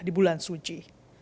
di bulan suci